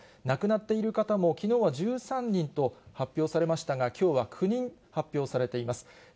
亡くなっている方も、きのうは１３人と発表されましたが、きょうは９人発表されています。